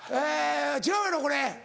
違うやろこれ」。